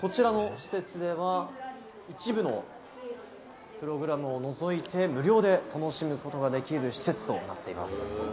こちらの施設では、一部のプログラムを除いて無料で楽しむことができる施設となっています。